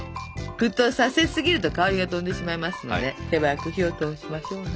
沸騰させすぎると香りが飛んでしまいますので手早く火を通しましょうな。